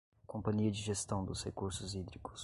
Companhia de Gestão dos Recursos Hídricos